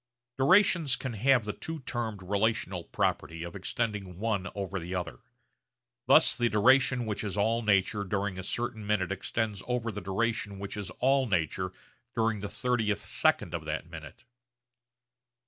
Durations can have the two termed relational property of extending one over the other. Thus the duration which is all nature during a certain minute extends over the duration which is all nature during the 30th second of that minute.